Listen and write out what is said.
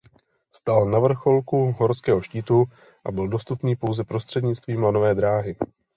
Stál na vrcholku horského štítu a byl dostupný pouze prostřednictvím lanové dráhy.